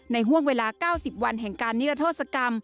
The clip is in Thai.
ห่วงเวลา๙๐วันแห่งการนิรโทษกรรม